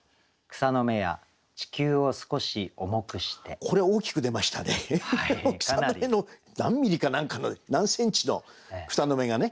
草の芽の何ミリか何かの何センチの草の芽がね